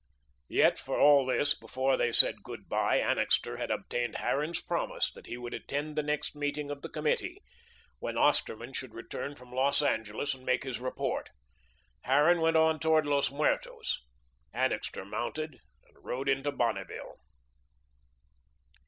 Yet, for all this, before they said good bye Annixter had obtained Harran's promise that he would attend the next meeting of the Committee, when Osterman should return from Los Angeles and make his report. Harran went on toward Los Muertos. Annixter mounted and rode into Bonneville.